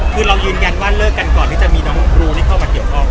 คือเรายืนยันว่าเลิกกันก่อนที่จะมีน้องครูที่เข้ามาเกี่ยวข้อง